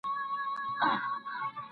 هیچا نه سو کولای د پانګوالو شتمني ضبط کړي.